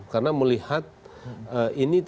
karena melihat ini